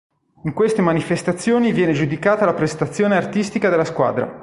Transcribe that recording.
In queste manifestazioni viene giudicata la "prestazione artistica" della squadra.